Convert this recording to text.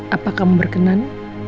apa kamu berkenan